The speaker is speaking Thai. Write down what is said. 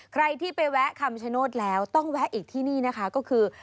ใครที่ไปแวะคำชโนธแล้วต้องแวะอีกที่นี่นะคะก็คือ